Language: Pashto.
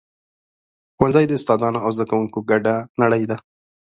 ښوونځی د استادانو او زده کوونکو ګډه نړۍ ده.